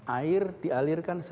air dialirkan secepatnya